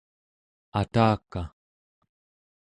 ataka